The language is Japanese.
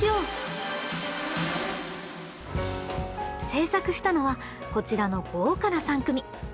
制作したのはこちらの豪華な３組！